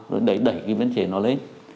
rồi đẩy cái biến chế nó lên